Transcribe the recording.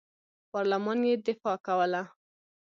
پارلمان یې دفاع کوله.